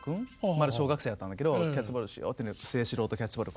まだ小学生だったんだけどキャッチボールしようって清史郎とキャッチボール